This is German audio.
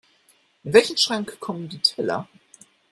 In welchen Schrank kommen die Teller?